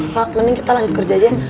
pak mending kita lanjut kerja aja